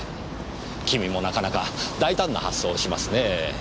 君もなかなか大胆な発想をしますねぇ。